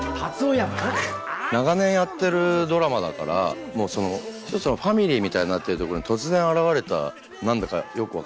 長年やってるドラマだから１つのファミリーみたいになってるところに突然現れた何だかよく分かんない役者。